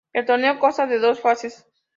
El torneo costa de dos fases.